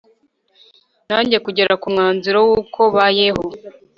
naje kugera ku mwanzuro w uko ,bayeho